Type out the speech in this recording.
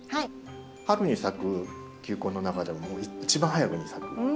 春に咲く球根の中でも一番早くに咲く。